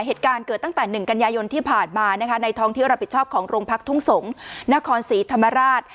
เหตุการณ์เกิดตั้งแต่๑กันยายนที่ผ่านมานะคะในท้องที่รับผิดชอบของโรงพักทุ่งสงศ์นครศรีธรรมราช